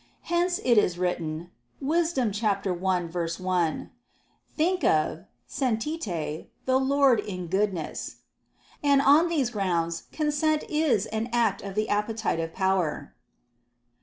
Hence it is written (Wis. 1:1): "Think of (Sentite) the Lord in goodness." And on these grounds consent is an act of the appetitive power.